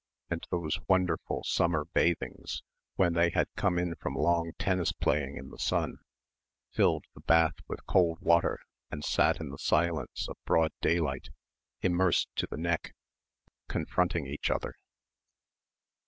and those wonderful summer bathings when they had come in from long tennis playing in the sun, filled the bath with cold water and sat in the silence of broad daylight immersed to the neck, confronting each other.